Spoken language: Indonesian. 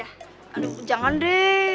aduh jangan deh